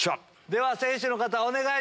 では選手の方お願いします。